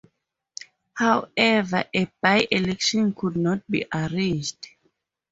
However, a by-election could not be arranged.